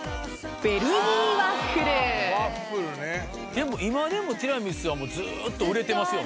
でも今でもティラミスはずーっと売れてますよね。